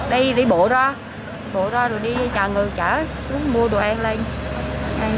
rồi đi bộ ra bộ ra rồi đi chờ người chở mua đồ ăn lên